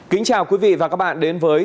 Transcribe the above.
kính chào quý vị và các bạn đến với